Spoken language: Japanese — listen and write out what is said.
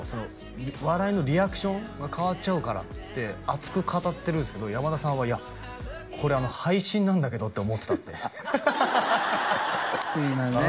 「笑いのリアクションが変わっちゃうから」って熱く語ってるんですけどやまださんは「いやこれ」「配信なんだけど」って思ってたってすいません